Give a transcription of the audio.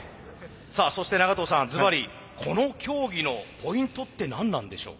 さあそして長藤さんずばりこの競技のポイントって何なんでしょう。